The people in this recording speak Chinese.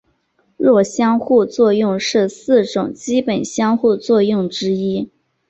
弱相互作用是四种基本相互作用之一。